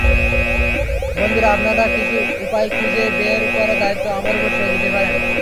বন্ধুরা, আপনারা কিছু উপায় খুঁজে বের করার দায়িত্ব আমার উপর ছেড়ে দিতে পারেন।